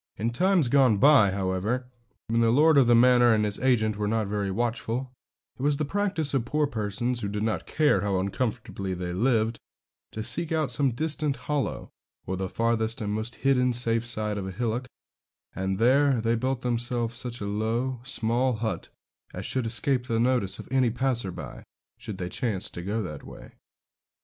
In times gone by, however, when the lord of the manor and his agent were not very watchful, it was the practice of poor persons, who did not care how uncomfortably they lived, to seek out some distant hollow, or the farthest and most hidden side of a hillock, and there build themselves such a low, small hut, as should escape the notice of any passer by, should they chance to go that way.